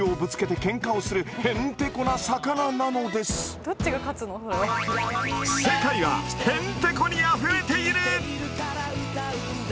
世界は「へんてこ」にあふれている！